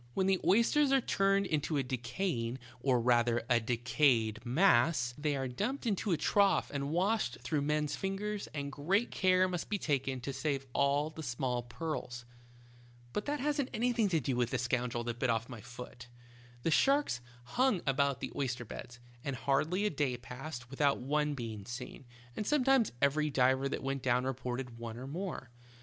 When the oysters are turned into a IN A shark's mouth. 71 decaying, or rather, a decayed mass, they are dumped into a trough and washed through men's fingers, and great care must be taken to save all the small pearls. "But that hasn't anything specially to do with the scoundrel that bit off my foot. The sharks hung about the oyster beds, and hardly a day passed without one being seen, and sometimes every diver that went down reported one or more.